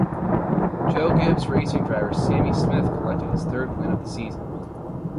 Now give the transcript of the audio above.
Joe Gibbs Racing driver Sammy Smith collected his third win of the season.